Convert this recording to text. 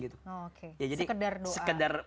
sekedar doa sekedar